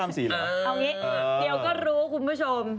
เดี๋ยวก็รู้คุณผู้ชม